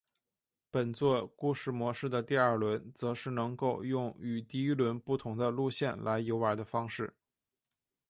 本作故事模式的第二轮则是能够用与第一轮不同的路线来游玩的方式。